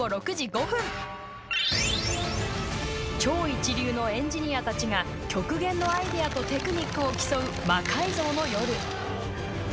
超一流のエンジニアたちが極限のアイデアとテクニックを競う「魔改造の夜」。